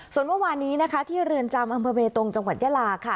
ส่วนวันนี้ที่เรือนจำอำเภอเบตงจังหวัดแยลาค่ะ